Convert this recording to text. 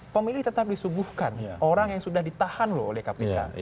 pemilih tetap disuguhkan orang yang sudah ditahan loh oleh kpk